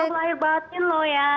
mohon maaf lahir batin loh ya